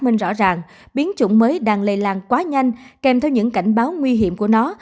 minh rõ ràng biến chủng mới đang lây lan quá nhanh kèm theo những cảnh báo nguy hiểm của nó